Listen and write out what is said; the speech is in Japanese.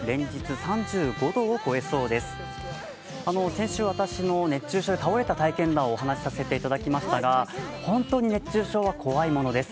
先週、私の熱中症で倒れた体験談をお話しさせていただきましたが、本当に熱中症は怖いものです。